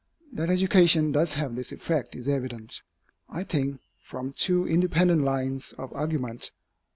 That education does have this effect is evident, I think, from two independent lines of argument.